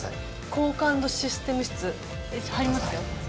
「高感度システム室」入りますよ。